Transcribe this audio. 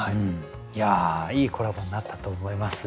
いやいいコラボになったと思います。